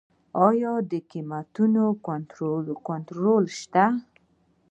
آیا د قیمتونو کنټرول شته؟